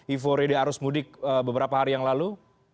ivore di arus mudik beberapa hari yang lalu